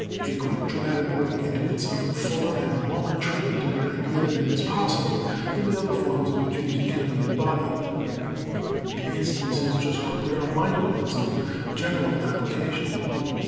A great dramatic work admits of fuller and longer treatment of an idea than is possible in the other forms in which music can be embodied. The instances just quoted are minor ones of general application.